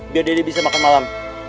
biar dede bisa makan malam